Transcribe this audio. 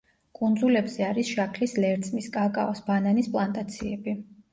კუნძულებზე არის შაქრის ლერწმის, კაკაოს, ბანანის პლანტაციები.